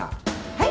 はい？